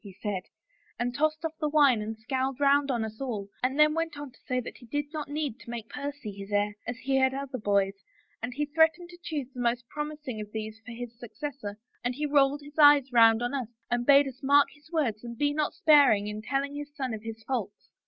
' he said, and tossed off the wine and scowled round on us all and then went on to say that he did not need to make Percy his heir, as he had other boys, and he threatened to choose the most promis ing of these for his successor and he rolled his eyes round on us and bade us mark his words and be not sparing in telling his son of his faults."